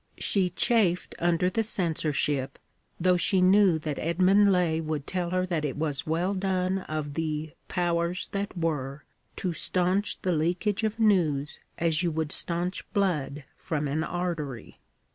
She chafed under the censorship, though she knew that Edmund Laye would tell her that it was well done of the 'Powers that Were' to stanch the leakage of news as you would stanch blood from an artery.